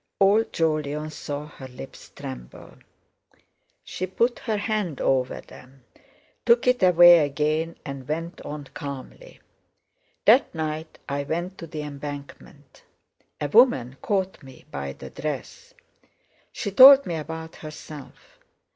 Old Jolyon saw her lips tremble. She put her hand over them, took it away again, and went on calmly: "That night I went to the Embankment; a woman caught me by the dress. She told me about herself.